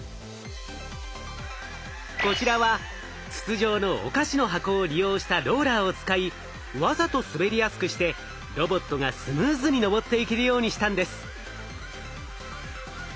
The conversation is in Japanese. こちらは筒状のお菓子の箱を利用したローラーを使いわざと滑りやすくしてロボットがスムーズに上っていけるようにしたんです。